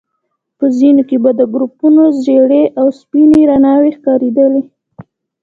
په ځينو کې به د ګروپونو ژيړې او سپينې رڼاوي ښکارېدلې.